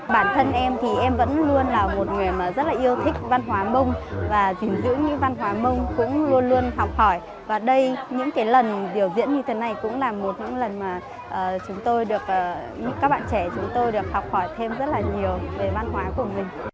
bản thân em thì em vẫn luôn là một người mà rất là yêu thích văn hóa mông và gìn giữ những văn hóa mông cũng luôn luôn học hỏi và đây những cái lần biểu diễn như thế này cũng là một lần mà chúng tôi được các bạn trẻ chúng tôi được học hỏi thêm rất là nhiều về văn hóa của mình